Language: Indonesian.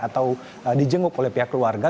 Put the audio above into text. atau dijenguk oleh pihak keluarga